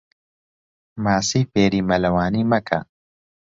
ماسی فێری مەلەوانی مەکە.